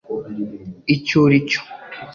icyo uri cyo